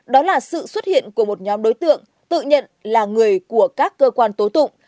đó là sự xuất hiện của một nhóm đối tượng tự nhận là người của các cơ quan tố tụng